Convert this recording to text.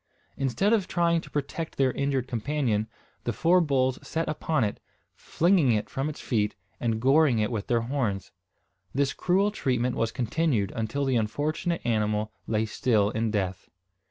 Instead of trying to protect their injured companion, the four bulls set upon it, flinging it from its feet, and goring it with their horns. This cruel treatment was continued until the unfortunate animal lay still in death.